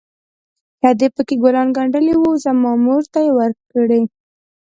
چې ادې پكښې ګلان ګنډلي وو زما مور ته يې وركړي.